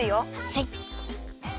はい。